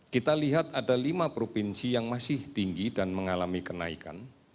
kita lihat ada lima provinsi yang masih tinggi dan mengalami kenaikan